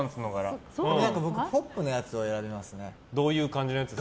僕、ポップなやつを選びますね。